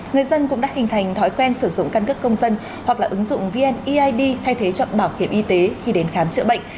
người dân cũng đã hình thành thói quen sử dụng căn cức công dân hoặc là ứng dụng vneid thay thế chọn bảo hiểm y tế khi đến khám chữa bệnh